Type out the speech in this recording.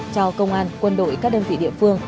cho công an quân đội các đơn vị địa phương